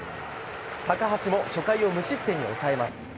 高橋も初回を無失点に抑えます。